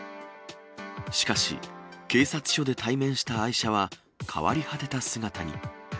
しかし、警察署で対面した愛車は、変わり果てた姿に。